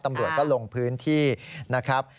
ตำรวจก็ลงพื้นที่นะครับ